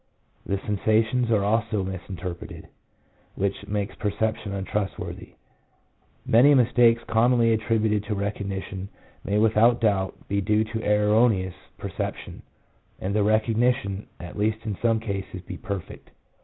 The sensations are also misinterpreted, which makes perception untrust worthy. Many mistakes commonly attributed to recognition may without doubt be due to erroneous perception, and the recognition, at least in some cases, be perfect.